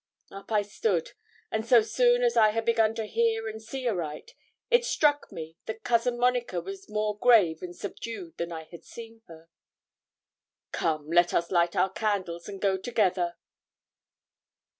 Up I stood, and so soon as I had begun to hear and see aright, it struck me that Cousin Monica was more grave and subdued than I had seen her. 'Come, let us light our candles and go together.'